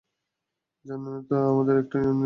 জানেনই তো, আমাদের একটা নিয়ম আছে।